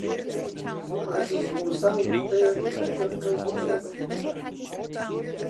عەزیز مووسا نوختەیەک مەرەکەب کەوتە سەر سینەکە